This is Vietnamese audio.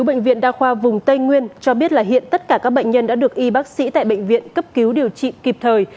bệnh viện đa khoa vùng tây nguyên cho biết là hiện tất cả các bệnh nhân đã được y bác sĩ tại bệnh viện cấp cứu điều trị kịp thời